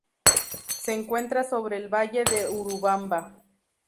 Se encuentra sobre el valle de Urubamba.